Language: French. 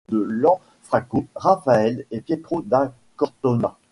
Il a copié les œuvres de Lanfranco, Raphael et Pietro da Cortona.